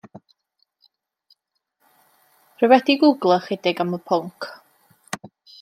Rwy wedi gwglo ychydig am y pwnc.